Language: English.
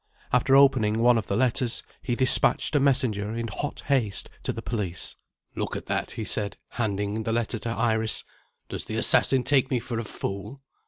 After opening one of the letters, he dispatched a messenger in hot haste to the police. "Look at that," he said, handing the letter to Iris. "Does the assassin take me for a fool?"